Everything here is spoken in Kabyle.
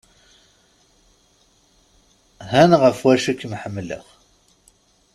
Han ɣef acu i k(m)-ḥemmleɣ.